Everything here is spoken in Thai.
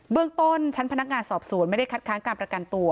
เรื่องต้นชั้นพนักงานสอบสวนไม่ได้คัดค้างการประกันตัว